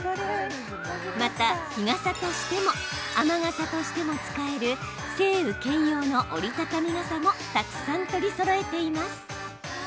また、日傘としても雨傘としても使える晴雨兼用の折り畳み傘もたくさん取りそろえています。